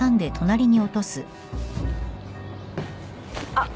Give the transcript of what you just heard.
あっ。